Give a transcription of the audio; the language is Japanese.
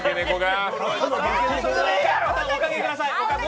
おかけください。